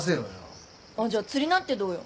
あっじゃあ釣りなんてどうよ？